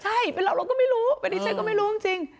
ใช่เป็นเราเราก็ไม่รู้อันนี้ฉันก็ไม่รู้จริง